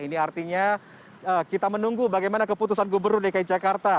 ini artinya kita menunggu bagaimana keputusan gubernur dki jakarta